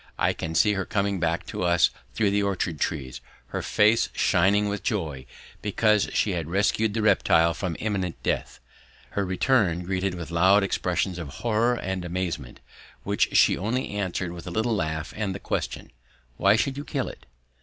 I can see her coming back to us through the orchard trees, her face shining with joy because she had rescued the reptile from imminent death, her return greeted with loud expressions of horror and amazement, which she only answered with a little laugh and the question, "Why should you kill it?"